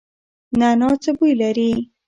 نعناع څه بوی لري؟